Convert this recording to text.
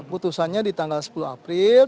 putusannya di tanggal sepuluh april